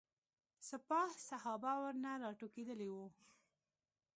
سپاه صحابه ورنه راټوکېدلي وو.